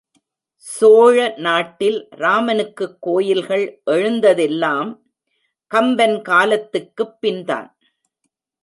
சோழ நாட்டில் ராமனுக்குக் கோயில்கள் எழுந்ததெல்லாம் கம்பன் காலத்துக்குப் பின்தான்.